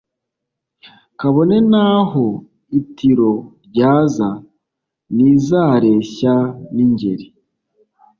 Kabone n' aho Itiro ryaza, Ntizareshya n' Ingeri,